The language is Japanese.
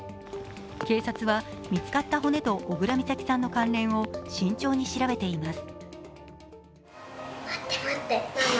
警察は、見つかった骨と小倉美咲さんの関連を慎重に調べています。